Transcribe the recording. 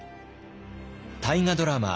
大河ドラマ